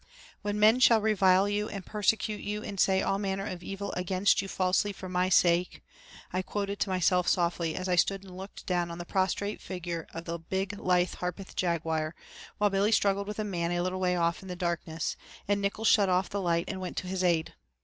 "'When men shall revile you, and persecute you, and say all manner of evil against you falsely for my sake '" I quoted to myself softly as I stood and looked down on the prostrate figure of the big lithe Harpeth Jaguar while Billy struggled with a man a little way off in the darkness and Nickols shut off the light and went to his aid.